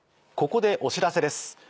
ここでお知らせです。